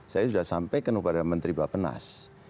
saya sudah sampaikan kepada menteri bapak nas